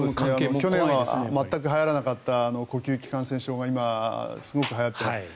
去年は全くはやらなかった呼吸器感染症が今、すごくはやっています。